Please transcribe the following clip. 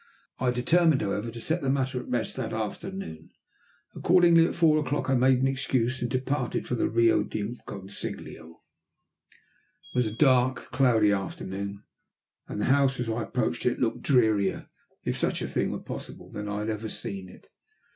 I determined, however, to set the matter at rest that afternoon. Accordingly at four o'clock I made an excuse and departed for the Rio del Consiglio. It was a dark, cloudy afternoon, and the house, as I approached it, looked drearier, if such a thing were possible, than I had ever seen it.